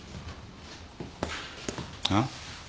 あっ？